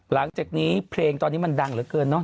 หลังจากนี้เพลงตอนนี้มันดังเหลือเกินเนอ